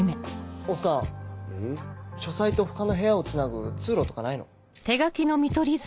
書斎と他の部屋をつなぐ通路とかないの？